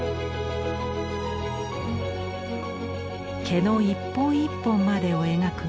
毛の一本一本までを描く